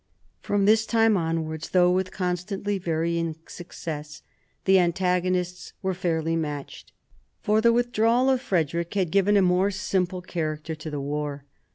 From this time onwards, though with constantly vary ing success, the antagonists were fairly matched. For the withdrawal of Frederick had given a more simple character to the war.